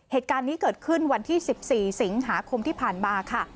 เหตุการณ์นี้เกิดขึ้นวันที่๑๔สิงหาคมที่ผ่านมาค่ะ